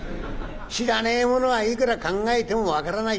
知らねえものはいくら考えても分からない